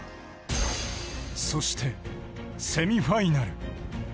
そしてセミファイナル。